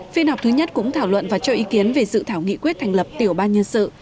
phiên họp thứ nhất cũng thảo luận và cho ý kiến về dự thảo nghị quyết thành lập tiểu ban nhân sự